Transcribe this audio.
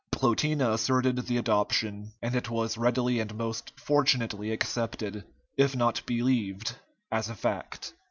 Plotina asserted the adoption, and it was readily and most fortunately accepted, if not believed, as a fact.